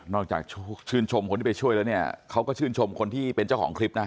จากชื่นชมคนที่ไปช่วยแล้วเนี่ยเขาก็ชื่นชมคนที่เป็นเจ้าของคลิปนะฮะ